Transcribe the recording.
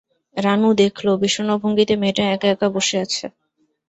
রানু দেখল-বিষণ্ন ভঙ্গিতে মেয়েটি একা-একা বসে আছে।